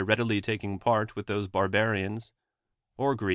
'idily taking part with those barbarians or <;rH(]